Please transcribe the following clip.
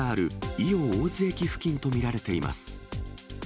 伊予大洲駅付近と見られています。